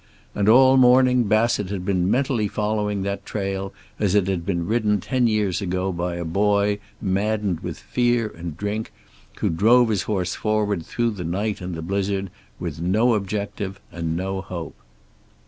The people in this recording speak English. And all morning Bassett had been mentally following that trail as it had been ridden ten years ago by a boy maddened with fear and drink, who drove his horse forward through the night and the blizzard, with no objective and no hope.